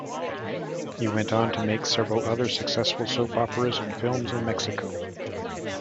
He went on to make several other successful Soap Operas and films in Mexico.